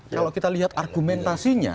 kalau kita lihat argumentasinya